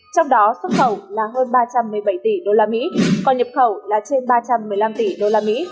trong đó xuất khẩu là hơn ba trăm một mươi bảy tỷ usd còn nhập khẩu là trên ba trăm một mươi năm tỷ usd